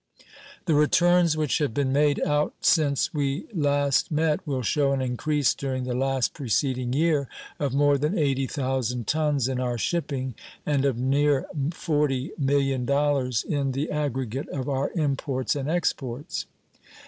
The returns which have been made out since we last met will show an increase during the last preceding year of more than 80 thousand tons in our shipping and of near $40,000,000 in the aggregate of our imports and exports.